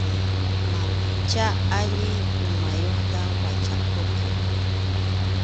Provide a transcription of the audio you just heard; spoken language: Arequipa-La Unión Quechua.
Mamanchá allin umayuqta wachakurqan.